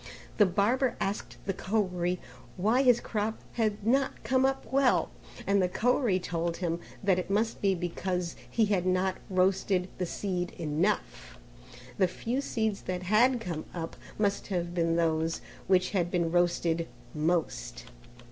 The barber asked the Koeri why his crop had not come up well, and the Koeri told him that it must be because he had not roasted the seed enough; the few seeds that had come up must have been those which had been roasted most.